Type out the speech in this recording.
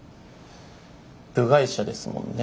部外者ですもんね。